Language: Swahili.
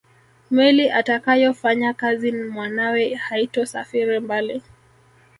Meli atakayofanyakazi mwanawe haitosafiri mbali